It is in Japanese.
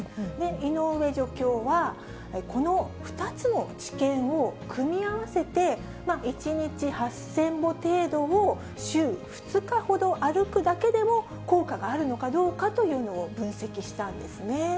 井上助教は、この２つの治験を組み合わせて、１日８０００歩程度を週２日ほど歩くだけでも効果があるのかどうかというのを分析したんですね。